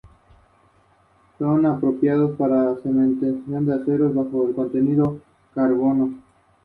Se encuentra en España, Francia e Italia.